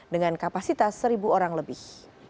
dengan kapasitas seribu orang lebih